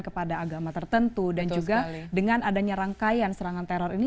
kepada agama tertentu dan juga dengan adanya rangkaian serangan teror ini